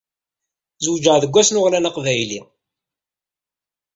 Zewǧeɣ deg wass n uɣlan aqbayli.